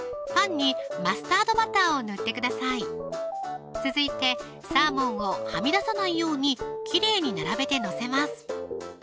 パンにマスタードバターを塗ってください続いてサーモンをはみ出さないようにきれいに並べて載せます